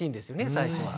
最初は。